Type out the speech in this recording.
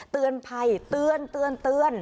เตือนภัยเตือน